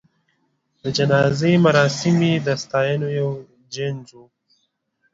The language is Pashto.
د جنازې مراسم یې د ستاینو یو جنج و.